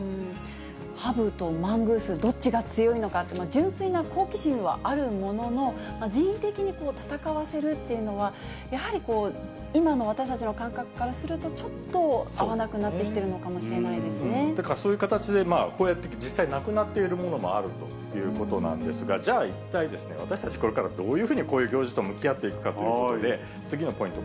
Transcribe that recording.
ハブとマングース、どっちが強いのか、純粋な好奇心はあるものの、人為的に戦わせるっていうのは、やはり今の私たちの感覚からすると、ちょっと合わなくなってきてそういう形で、こうやって実際なくなっているものもあるということなんですが、じゃあ、一体、私たち、これからどういうふうにこういう行事と向き合っていくかということで、次のポイント